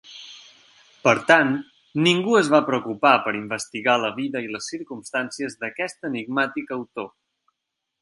Per tant, ningú es va preocupar per investigar la vida i les circumstàncies d'aquest enigmàtic autor.